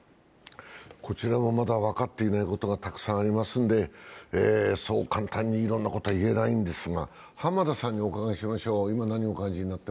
こちらもまだ分かってないことがたくさんありますので、そう簡単にいろいろなことは言えないんですが、浜田さんにお伺いしましょう。